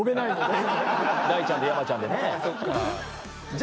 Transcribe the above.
「大ちゃん」と「山ちゃん」でね。